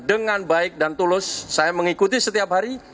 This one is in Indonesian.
dengan baik dan tulus saya mengikuti setiap hari